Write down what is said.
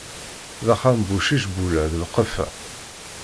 D axxam bu yicbula d lqeffa.